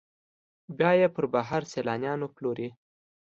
بیا یې پر بهر سیلانیانو پلوري.